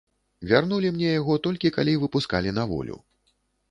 Вярнулі мне яго, толькі калі выпускалі на волю.